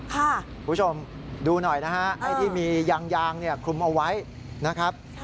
คุณผู้ชมดูหน่อยนะฮะไอ้ที่มียางยางคลุมเอาไว้นะครับ